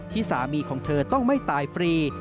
สามีของเธอต้องไม่ตายฟรี